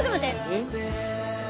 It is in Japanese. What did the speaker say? うん？